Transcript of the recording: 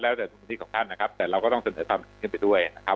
แล้วแต่พื้นที่ของท่านนะครับแต่เราก็ต้องเสนอความเห็นขึ้นไปด้วยนะครับ